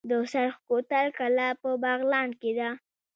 د سرخ کوتل کلا په بغلان کې ده